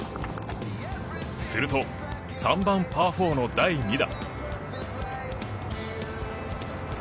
すると３番、パー４の第２打。